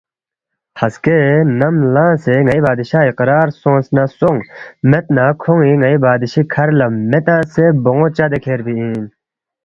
ہسکے نم لنگسے ن٘ئی بادشاہ اقرار سونگس نہ سونگ مید نہ کھون٘ی ن٘ئی بادشی کَھر لہ مے تنگسے بون٘و چدے کھیربی اِن